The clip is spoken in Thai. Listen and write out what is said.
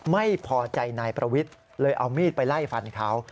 ไม่พอใจนายประวิทย์เลยเอามีดไปไล่ฟันเขา